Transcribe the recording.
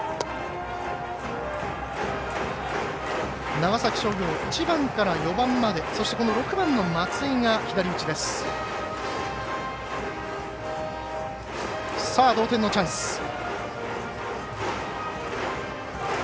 長崎商業１番から４番までそして、６番の松井が左打ちです。